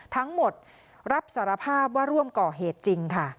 รับสารภาพว่าร่วมก่อเหตุจริงค่ะ